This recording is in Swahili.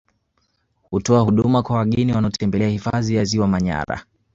Hutoa huduma kwa wageni wanaotembelea hifadhi ya Ziwa Manyara